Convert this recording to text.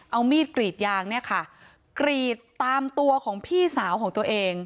เอามีดกรีดยางเนี่ยค่ะกรีดตามตัวของพี่สาวของตัวเอง